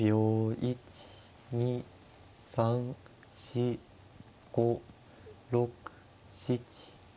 １２３４５６７８。